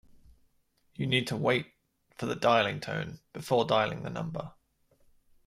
You need to wait for the dialling tone before dialling the number